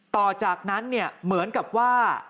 ต่อจากนั้นเหมือนกับว่า